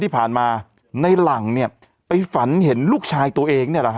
ที่ผ่านมาในหลังเนี่ยไปฝันเห็นลูกชายตัวเองเนี่ยแหละฮะ